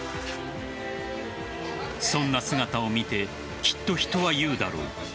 そんな姿を見てきっと人は言うだろう。